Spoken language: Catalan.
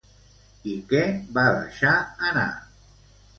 I què va deixar anar?